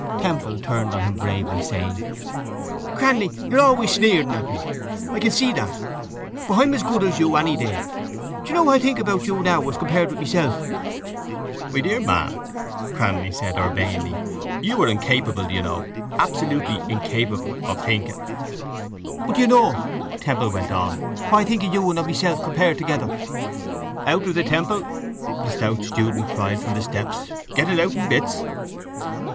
Temple turned on him bravely, saying: —Cranly, you're always sneering at me. I can see that. But I am as good as you any day. Do you know what I think about you now as compared with myself? —My dear man, said Cranly urbanely, you are incapable, do you know, absolutely incapable of thinking. —But do you know, Temple went on, what I think of you and of myself compared together? —Out with it, Temple! the stout student cried from the steps. Get it out in bits!